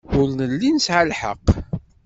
Ur nelli nesɛa lḥeqq.